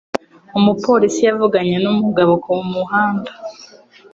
Umupolisi yavuganye numugabo kumuhanda.